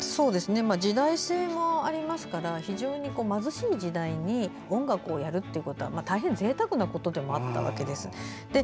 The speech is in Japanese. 時代性もありますから非常に貧しい時代に音楽をやるということは大変ぜいたくなことでもあったわけです。